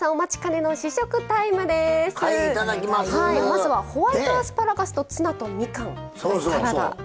まずはホワイトアスパラガスとツナとみかんのサラダ。